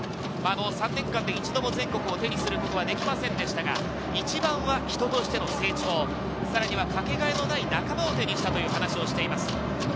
３年間で一度も全国を手にすることはできませんでしたが、一番は人としての成長、さらにはかけがえのない仲間を手にしたという話をしています。